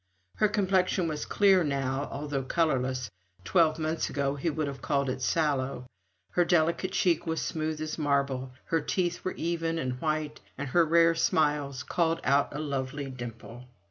Her complexion was clear now, although colourless twelve months ago he would have called it sallow her delicate cheek was smooth as marble, her teeth were even and white, and her rare smiles called out a lovely dimple.